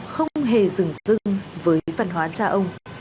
không hề rừng rưng với văn hóa cha ông